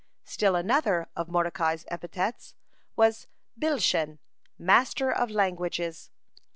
(61) Still another of Mordecai's epithets was Bilshan, "master of languages."